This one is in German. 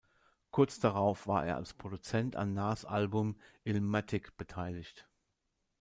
Kurz darauf war er als Produzent an Nas' Album "Illmatic" beteiligt.